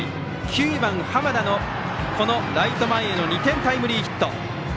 ９番、濱田のライト前への２点タイムリーヒット。